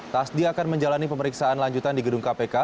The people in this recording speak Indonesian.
tasdi akan menjalani pemeriksaan lanjutan di gedung kpk